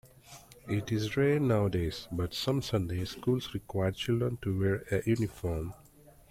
It is rare nowadays, but some Sunday schools required children to wear a uniform.